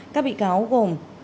các bị cáo gồm